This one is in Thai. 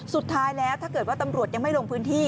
สุดท้ายแล้วถ้าเกิดว่าตำรวจยังไม่ลงพื้นที่